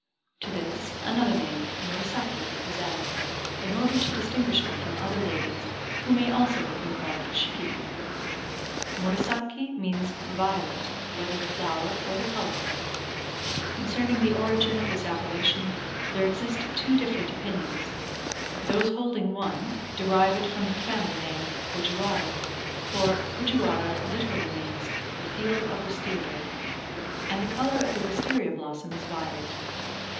To this another name, Murasaki, was added, in order to distinguish her from other ladies who may also have been called Shikib. "Murasaki" means "violet," whether the flower or the color. Concerning the origin of this appellation there exist two different opinions. Those holding one, derive it from her family name, Fujiwara; for "Fujiwara" literally means "the field of Wistaria," and the color of the Wistaria blossom is violet.